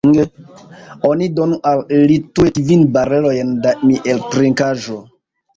Oni donu al ili tuj kvin barelojn da mieltrinkaĵo!